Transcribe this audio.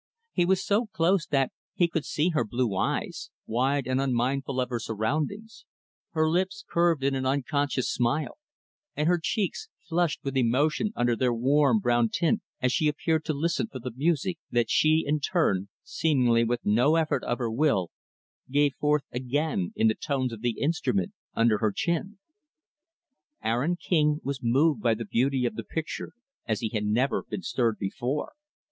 He was so close that he could see her blue eyes, wide and unmindful of her surroundings; her lips, curved in an unconscious smile; and her cheeks, flushed with emotion under their warm brown tint as she appeared to listen for the music that she, in turn, seemingly with no effort of her will, gave forth again in the tones of the instrument under her chin. Aaron King was moved by the beauty of the picture as he had never been stirred before.